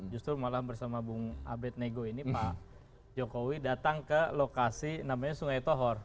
justru malah bersama bung abed nego ini pak jokowi datang ke lokasi namanya sungai tohor